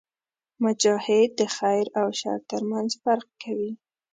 مجاهد د خیر او شر ترمنځ فرق کوي.